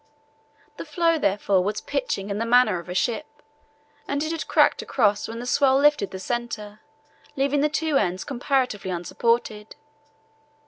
The floe, therefore, was pitching in the manner of a ship, and it had cracked across when the swell lifted the centre, leaving the two ends comparatively unsupported.